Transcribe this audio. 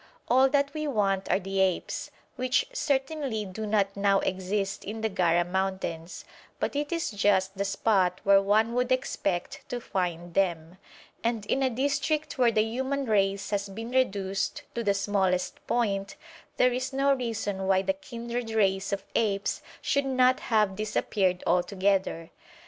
All that we want are the apes, which certainly do not now exist in the Gara mountains, but it is just the spot where one would expect to find them; and in a district where the human race has been reduced to the smallest point, there is no reason why the kindred race of apes should not have disappeared altogether.